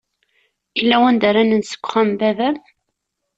Illa wanda ara nens deg wexxam n baba-m?